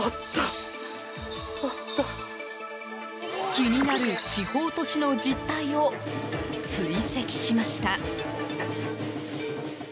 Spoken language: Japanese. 気になる地方都市の実態を追跡しました。